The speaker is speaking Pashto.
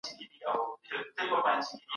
ستا یادیږي